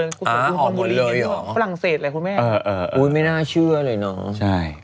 อ๋อออกหมดเลยเหรอฝรั่งเศสอะไรคุณแม่เออเอออุ้ยไม่น่าเชื่อเลยเนอะใช่